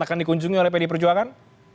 akan dikunjungi oleh pd perjuangan